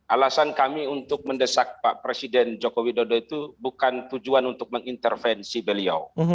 alasan kami untuk mendesak pak presiden joko widodo itu bukan tujuan untuk mengintervensi beliau